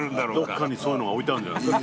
どっかにそういうのが置いてあるんじゃないですか？